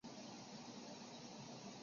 索尔河畔巴尔赞库尔。